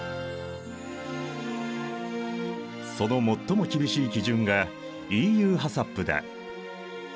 その最も厳しい基準がＥＵＨＡＣＣＰだ。